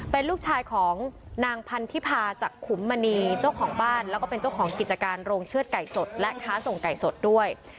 เป็นลูกชายของนางพันธิพาจากขุมมณีเจ้าของบ้านแล้วก็เป็นเจ้าของกิจการโรงเชือดไก่สดและค้าส่งไก่สดด้วย